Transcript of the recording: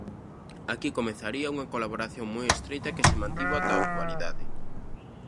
Aquí comezaría unha colaboración moi estreita que se mantivo até a actualidade.